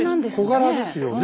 小柄ですよね。